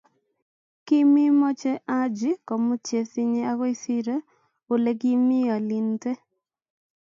Kimimoche Haji komut chesinye okoi sire ole kimii alinte